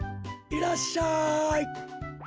いらっしゃい。